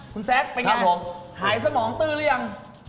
คุณแซคเป็นยังไงหายสมองตื้อหรือยังครับผม